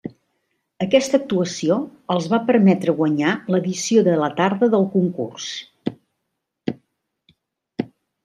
Aquesta actuació els va permetre guanyar l'edició de la tarda del Concurs.